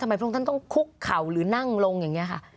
พระองค์ท่านต้องคุกเข่าหรือนั่งลงอย่างนี้ค่ะ